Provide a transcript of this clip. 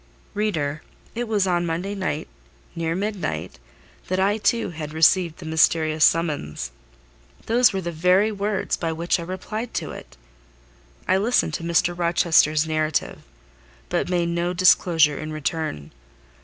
Reader, it was on Monday night—near midnight—that I too had received the mysterious summons: those were the very words by which I replied to it. I listened to Mr. Rochester's narrative, but made no disclosure in return.